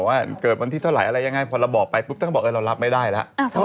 ว่าเกิดวันที่เท่าไหร่อะไรยังไงพอเราบอกไปปุ๊บท่านก็บอกเรารับไม่ได้แล้ว